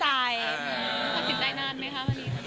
ตัดสินใจนานไหมคะวันนี้